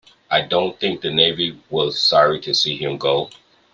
I don't think Navy was sorry to see him go.